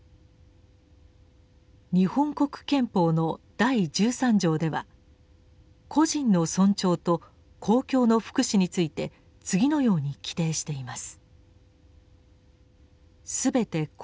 日本国憲法の第十三条では「個人の尊重と公共の福祉」について次のように規定しています。